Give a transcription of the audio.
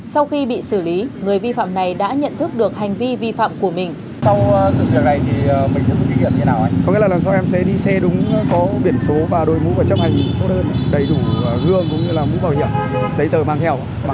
sau khi bị xử lý người vi phạm này đã nhận thức được hành vi vi phạm của mình